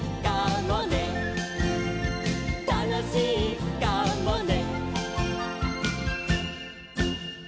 「たのしいかもね」